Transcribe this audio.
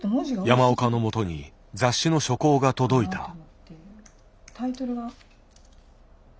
山岡のもとに雑誌の初稿が届いた。